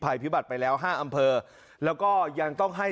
พิบัติไปแล้วห้าอำเภอแล้วก็ยังต้องให้